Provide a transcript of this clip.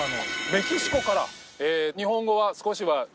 メキシコから？